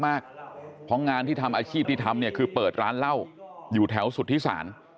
เพราะงานที่ทำอาชีพที่ทำเนี่ยคือเปิดร้านเหล้าอยู่แถวสุธิศาล